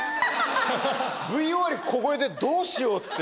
ＶＴＲ終わりに小声で「どうしよう」って。